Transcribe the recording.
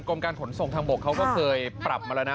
กรมการขนส่งทางบกเขาก็เคยปรับมาแล้วนะ